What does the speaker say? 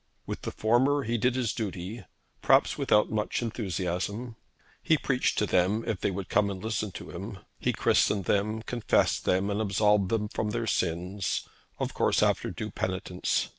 With the former he did his duty, perhaps without much enthusiasm. He preached to them, if they would come and listen to him. He christened them, confessed them, and absolved them from their sins, of course, after due penitence.